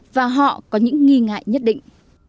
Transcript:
và họ có những nghi ngại nhất định